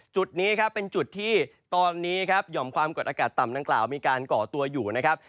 จุดนี้ครับเป็นจุดที่ตอนนี้ครับหย่อมความกดอากาศต่ำดังกล่าวมีการก่อตัวอยู่นะครับ